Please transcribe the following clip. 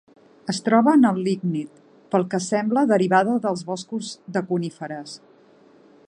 Es troba en el lignit, pel que sembla, derivada dels boscos de coníferes.